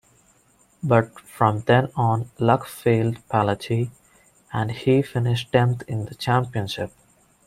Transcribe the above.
But from then on luck failed Paletti, and he finished tenth in the championship.